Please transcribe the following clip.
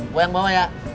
gua yang bawa ya